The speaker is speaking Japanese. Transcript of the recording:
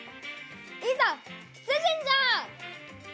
いざ出陣じゃ！